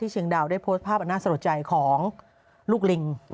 เชียงดาวได้โพสต์ภาพอันน่าสะลดใจของลูกลิง